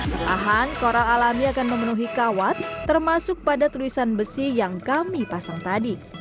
bertahan koral alami akan memenuhi kawat termasuk pada tulisan besi yang kami pasang tadi